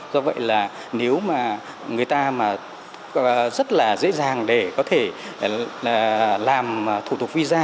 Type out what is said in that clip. do vậy là nếu mà người ta mà rất là dễ dàng để có thể làm thủ tục visa